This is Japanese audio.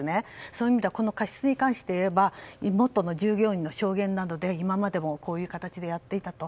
そういう意味では過失に関していえば元の従業員の証言などで今までもこういう形でやっていたと。